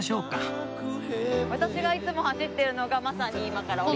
私がいつも走ってるのがまさに今から下りる。